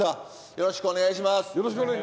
よろしくお願いします。